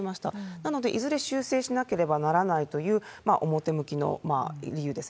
なので、いずれ修正しなければならないという表向きの理由です。